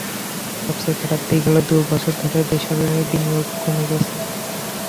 সবচেয়ে খারাপ দিক হলো, দুই বছর ধরে বেসরকারি বিনিয়োগ কমে গেছে।